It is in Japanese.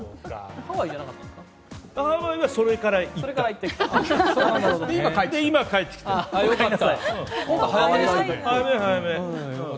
ハワイはそれから行った。